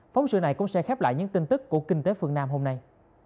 phóng sự này cũng sẽ khép lại những tin tức của kinh tế phương nam hôm nay